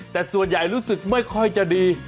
แต่ส่วนใหญ่รู้สึกไม่ค่อยจะดี